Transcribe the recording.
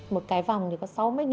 một cái vòng có sáu mươi chín mươi